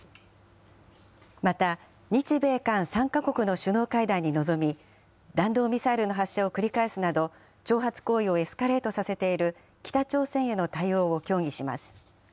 また、日米韓３か国の首脳会談に臨み、弾道ミサイルの発射を繰り返すなど、挑発行為をエスカレートさせている北朝鮮への対応を協議します。